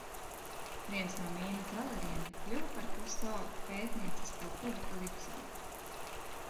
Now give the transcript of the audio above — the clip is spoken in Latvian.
"Viens no mīnu traleriem kļuva par Kusto pētniecisko kuģi "Kalipso"."